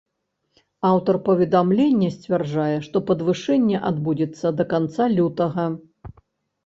Аўтар паведамлення сцвярджае, што падвышэнне адбудзецца да канца лютага.